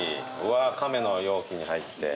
カメの容器に入って。